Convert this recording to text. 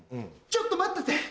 ちょっと待ってて。